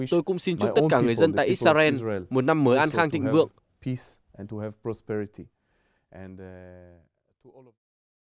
tôi cũng xin chúc tất cả người dân tại israel một năm mới an khang thịnh vượng